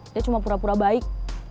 dia cuma pura pura baik